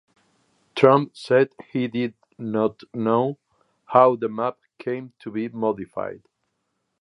Trump said he did not know how the map came to be modified.